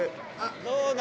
どうだ？